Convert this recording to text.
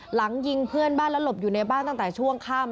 หลังยิงเพื่อนบ้านแล้วหลบอยู่ในบ้านตั้งแต่ช่วงค่ำ